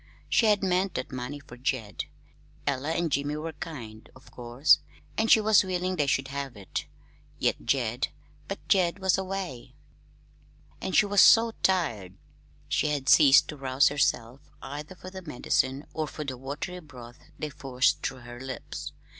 She had meant that money for Jed. Ella and Jim were kind, of course, and she was willing they should have it; yet Jed but Jed was away. And she was so tired. She had ceased to rouse herself, either for the medicine or for the watery broths they forced through her lips.